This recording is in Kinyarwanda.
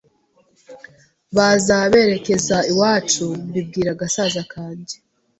baza berekeza iwacu mbibwira gasaza kanjye